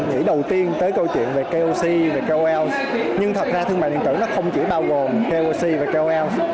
nghĩ đầu tiên tới câu chuyện về koc và kol nhưng thật ra thương mại điện tử nó không chỉ bao gồm koc và kol